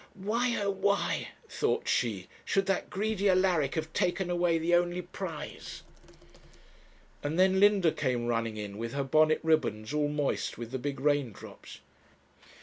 'Why, oh why,' thought she, 'should that greedy Alaric have taken away the only prize?' And then Linda came running in with her bonnet ribbons all moist with the big raindrops.